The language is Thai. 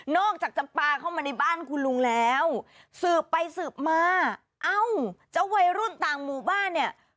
อกจากจะปลาเข้ามาในบ้านคุณลุงแล้วสืบไปสืบมาเอ้าเจ้าวัยรุ่นต่างหมู่บ้านเนี่ย